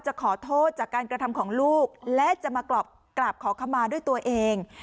ขอโทษจากการกระทำของลูกและจะมากราบขอขมาด้วยตัวเอง